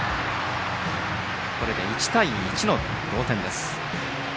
これで１対１の同点です。